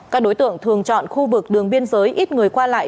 các đối tượng thường chọn khu vực đường biên giới ít người qua lại